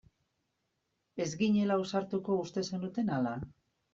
Ez ginela ausartuko uste zenuten ala?